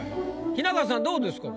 雛形さんどうですか？